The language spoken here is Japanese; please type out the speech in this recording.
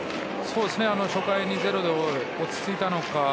初回、ゼロで落ち着いたのか。